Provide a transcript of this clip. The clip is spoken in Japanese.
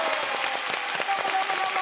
どうもどうもどうも！